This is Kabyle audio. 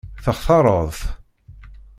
Textaṛeḍ-t?